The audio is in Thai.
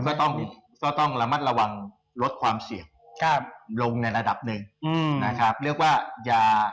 ก็ต้องระมัดระวังลดความเสี่ยงลงในระดับหนึ่ง